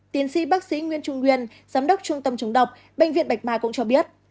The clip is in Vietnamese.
tiến sĩ bác sĩ nguyễn trung nguyên giám đốc trung tâm chống độc bệnh viện bạch mai cũng cho biết